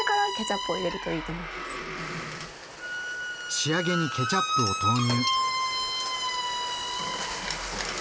仕上げにケチャップを投入。